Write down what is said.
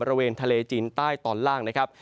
บริเวณทะเลจีนใต้ตอนล่างนะครับ